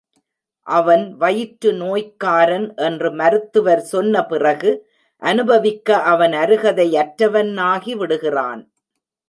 அவன் வயிற்றுநோய்க்காரன் என்று மருத்துவர் சொன்ன பிறகு அனுபவிக்க அவன் அருகதை அற்றவன் ஆகி விடுகிறான்.